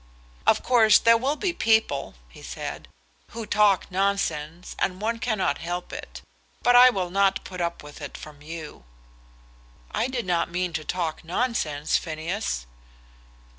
"Of course there will be people," he said, "who talk nonsense, and one cannot help it; but I will not put up with it from you." "I did not mean to talk nonsense, Phineas!"